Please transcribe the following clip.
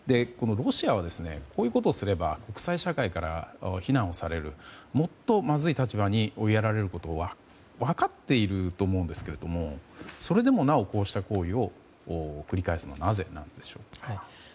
ロシアはこういうことをすれば国際社会から非難をされるもっとまずい立場に追いやられることは分かっていると思うんですがそれでもなおこうした行為を繰り返すのはなぜなんでしょうか。